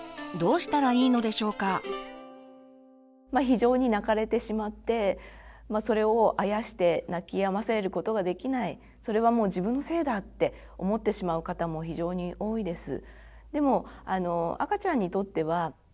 非常に泣かれてしまってそれをあやして泣きやませることができないそれはもう自分のせいだって思ってしまう方も非常に多いです。